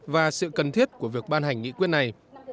và sự cần thiết của việc ban hành nghị quyết này